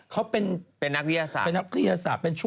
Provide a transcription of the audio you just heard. เขาเป็นเป็นนักวิทยาศาสตร์